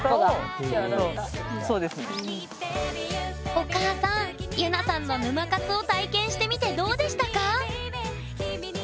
お母さんゆなさんの沼活を体験してみてどうでしたか？